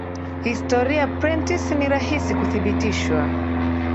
historia ya prentice ni rahisi kudhibitishwa